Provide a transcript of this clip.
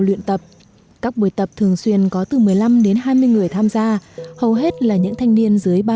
luyện tập các buổi tập thường xuyên có từ một mươi năm đến hai mươi người tham gia hầu hết là những thanh niên dưới ba mươi